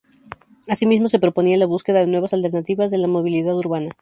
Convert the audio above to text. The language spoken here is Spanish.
Asimismo se proponía la búsqueda de nuevas alternativas de la movilidad urbana.